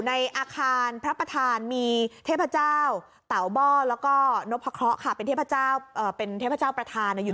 ในอาคารพระประธานมีเทพเจ้าต่าวอ้วอะแล้วู้โพสเป็นเทพเจ้าเป็นเทพเจ้าประธานในอยู่